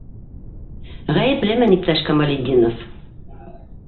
Ғәйеплемен, иптәш Камалетдинов...